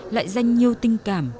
lại dành nhiều tình cảm